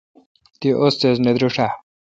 تی ؤستیذ نہ دریݭ آ؟